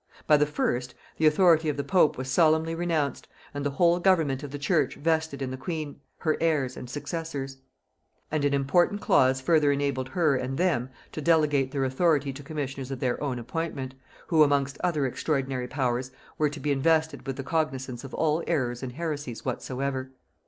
By the first, the authority of the pope was solemnly renounced, and the whole government of the church vested in the queen, her heirs and successors; and an important clause further enabled her and them to delegate their authority to commissioners of their own appointment, who amongst other extraordinary powers were to be invested with the cognisance of all errors and heresies whatsoever.